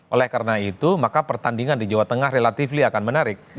oleh karena itu maka pertandingan di jawa tengah relatively akan menarik